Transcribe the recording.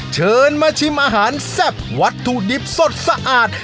เชิญมาชิมอาหารแซ่บวัตถุดิบสดสะอาด